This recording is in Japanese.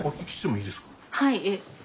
はい。